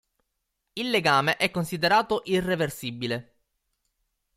Il legame è considerato irreversibile.